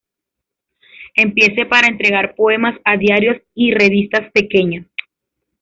Empiece para entregar poemas a diarios y revistas pequeñas.